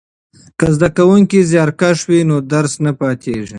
که زده کوونکی زیارکښ وي نو درس نه پاتیږي.